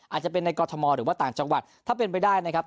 อาจจะเป็นในกรทมหรือว่าต่างจังหวัดถ้าเป็นไปได้นะครับ